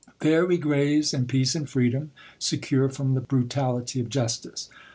There we graze in peace ancf freedom, secure from the brutality of justice.